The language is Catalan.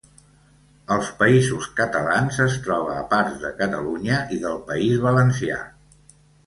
Als Països catalans es troba a parts de Catalunya i del País Valencià.